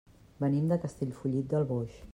Venim de Castellfollit del Boix.